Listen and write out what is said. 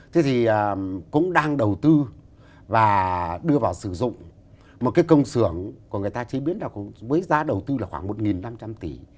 thế thì cũng đang đầu tư và đưa vào sử dụng một cái công xưởng của người ta chế biến với giá đầu tư là khoảng một năm trăm linh tỷ